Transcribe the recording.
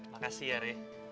makasih ya deh